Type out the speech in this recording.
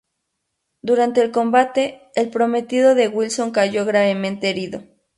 Durante el combate, el prometido de Wilson cayó gravemente herido.